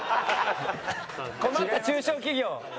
困った中小企業。